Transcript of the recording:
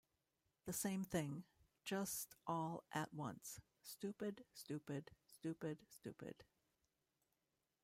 The same thing, just all at once: stupid, stupid, stupid, stupid.